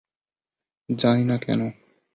জানি না কেন!